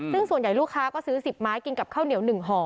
ซึ่งส่วนใหญ่ลูกค้าก็ซื้อ๑๐ไม้กินกับข้าวเหนียว๑ห่อ